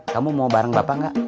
kamu mau bareng bapak nggak